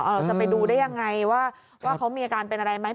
เราจะไปดูได้ยังไงว่าเขามีอาการเป็นอะไรไหม